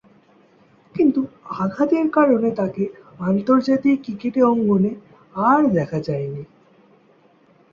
কিন্তু আঘাতের কারণে তাকে আন্তর্জাতিক ক্রিকেটে অঙ্গনে আর দেখা যায়নি।